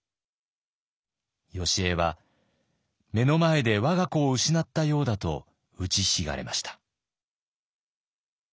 よしえは目の前でわが子を失ったようだと打ちひしがれました。